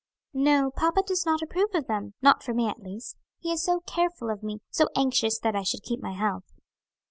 "No, papa does not approve of them; not for me at least. He is so careful of me, so anxious that I should keep my health."